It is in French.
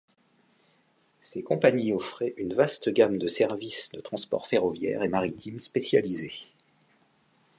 Ces compagnies offraient une vaste gamme de services de transport ferroviaire et maritime spécialisés.